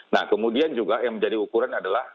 nah kemudian juga yang menjadi ukuran adalah